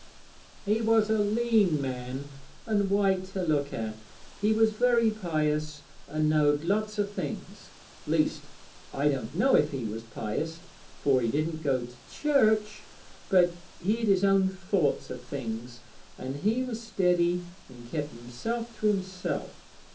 'He was a leän man and white to look at. He was very pious, and knowed lots o' things. Least, I don't know if he was pious, fur he didn't go to church, but he'd his own thoughts o' things, an' he was steady, an' kep' himself to himself.